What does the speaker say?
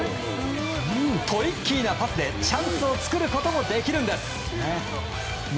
トリッキーなパスで、チャンスを作ることもできるんです。